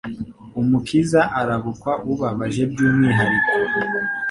Umukiza arabukwa ubabaje by'umwihariko.